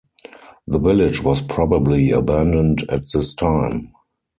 The village was probably abandoned at this time.